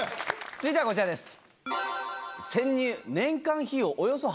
続いてはこちらです。